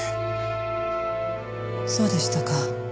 そうでしたか。